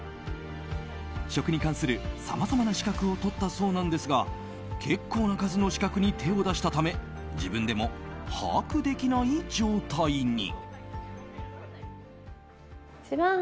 食に関するさまざまな資格を取ったそうなんですが結構な数の資格に手を出したため自分でも把握できない状態に。